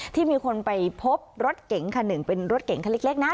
ที่มีคนไปพบรถเก๋งคันหนึ่งเป็นรถเก๋งคันเล็กนะ